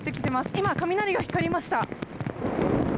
今、雷が光りました。